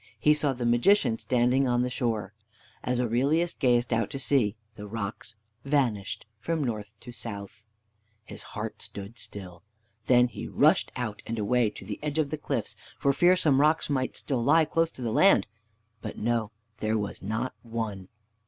He saw the Magician standing on the shore. As Aurelius gazed out to sea, the rocks vanished from north to south. His heart stood still. Then he rushed out and away to the edge of the cliffs for fear some rocks might still lie close to the land. But no, there was not one.